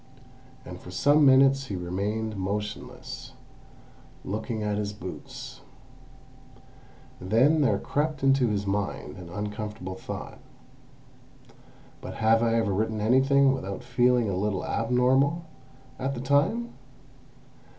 And for some minutes he remained motionless, looking at his boots. Then there crept into his mind an uncomfortable thought. "But have I ever written anything without feeling a little abnormal, at the time?